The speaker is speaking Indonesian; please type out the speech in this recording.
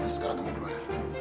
sekarang kamu keluar